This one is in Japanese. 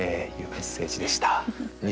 いうメッセージでした。